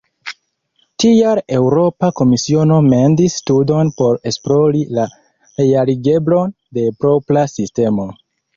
Tial Eŭropa Komisiono mendis studon por esplori la realigeblon de propra sistemo.